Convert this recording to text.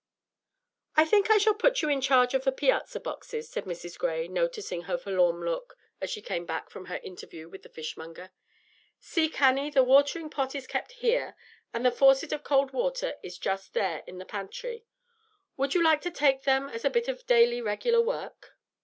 "I think I shall put you in charge of the piazza boxes," said Mrs. Gray, noticing her forlorn look as she came back from her interview with the fishmonger. "See, Cannie, the watering pot is kept here, and the faucet of cold water is just there in the pantry. Would you like to take them as a little bit of daily regular work?